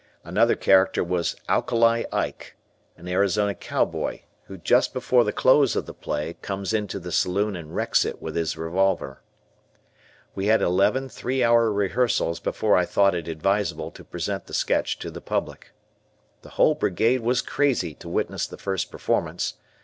Another character was Alkali Ike, an Arizona cow boy, who just before the close of the play comes into the saloon and wrecks it with his revolver. We had eleven three hour rehearsals before I thought it advisable to present the sketch to the public. The whole Brigade was crazy to witness the first performance.